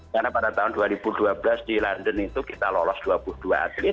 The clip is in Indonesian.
karena pada tahun dua ribu dua belas di london itu kita lolos dua puluh dua atlet